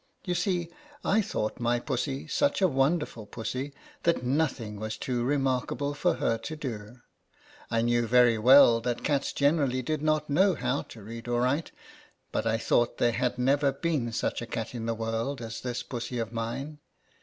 You see I thought my Pussy such a wonderful Pussy that nothing was too re markable for her to do. I knew very well that cats generally did not know how to io INTRODUCTION. read or write ; but I thought there had never been such a cat in the world as this Pussy of mine.